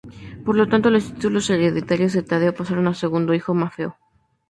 Por lo tanto los títulos hereditarios de Taddeo pasaron a su segundo hijo, Maffeo.